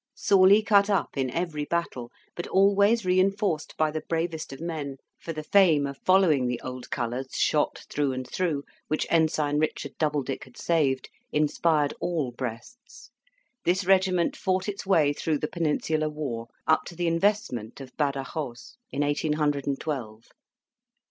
Sorely cut up in every battle, but always reinforced by the bravest of men, for the fame of following the old colours, shot through and through, which Ensign Richard Doubledick had saved, inspired all breasts, this regiment fought its way through the Peninsular war, up to the investment of Badajos in eighteen hundred and twelve.